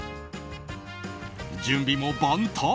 準備も万端。